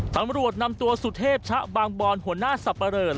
ตำรวจนำตัวสุเทพชะบางบอนหัวหน้าสับปะเรอ